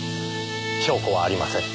証拠はありません。